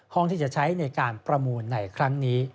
ที่จะใช้ในการประมูลในครั้งนี้